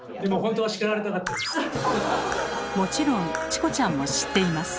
もちろんチコちゃんも知っています。